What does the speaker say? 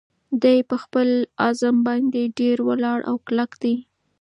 دی په خپل عزم باندې ډېر ولاړ او کلک دی.